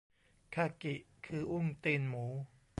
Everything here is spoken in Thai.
คากิคืออุ้งตีนหมู